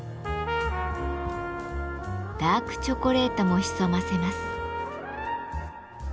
ダークチョコレートも潜ませます。